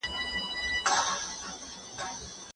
که سړکونه پاخه سي تګ راتګ به اسانه سي.